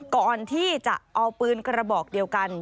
ก่อนที่จะเอาปืนกระบอกเดียวกัน